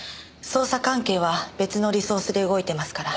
捜査関係は別のリソースで動いてますから。